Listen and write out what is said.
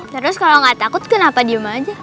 terus kalau nggak takut kenapa diem aja